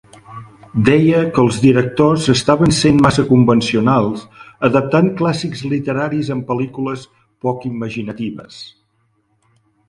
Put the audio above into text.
Deia que els directors estaven sent massa convencionals adaptant clàssics literaris en pel·lícules poc imaginatives.